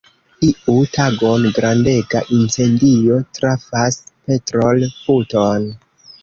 Iun tagon, grandega incendio trafas petrol-puton.